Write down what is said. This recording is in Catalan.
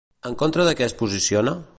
En contra de què es posiciona?